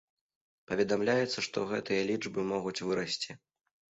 Паведамляецца, што гэтыя лічбы могуць вырасці.